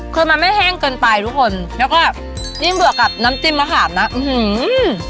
คือมันไม่แห้งเกินไปทุกคนแล้วก็ยิ่งเบื่อกับน้ำจิ้มมะขามนะอื้อหือ